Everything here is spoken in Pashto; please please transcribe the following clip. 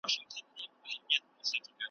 شنه ټگي وه که ځنگل که یې کیسې وې .